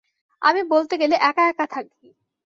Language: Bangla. আমি বলতে গেলে একা-একা থাকি।